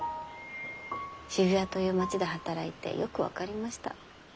渋谷という町で働いてよく分かりました。